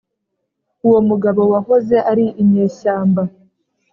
uwo mugabo wahoze ari inyeshyamba